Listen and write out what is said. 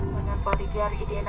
siapa yang pensiun